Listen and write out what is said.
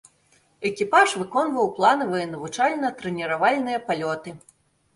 Экіпаж выконваў планавыя навучальна-трэніравальныя палёты.